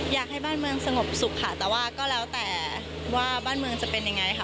อยากให้บ้านเมืองสงบสุขค่ะแต่ว่าก็แล้วแต่ว่าบ้านเมืองจะเป็นยังไงค่ะ